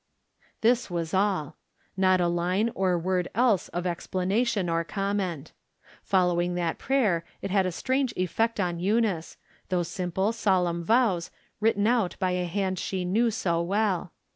This was all. Not a line or word else of ex planation or comment. Following that prayer it had a strange effect on Eunice, those simple, sol emn vows, written out by a hand she knew so well.